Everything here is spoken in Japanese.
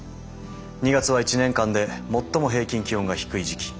２月は１年間で最も平均気温が低い時期。